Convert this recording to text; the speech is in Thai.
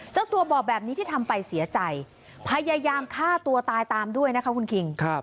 เจ้าตัวบอกแบบนี้ที่ทำไปเสียใจพยายามฆ่าตัวตายตามด้วยนะคะคุณคิง